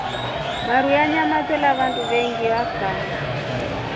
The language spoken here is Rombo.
Maruu ya nyama twela wandu vengi va kaa.